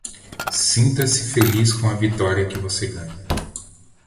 Sinta-se feliz com a vitória que você ganha.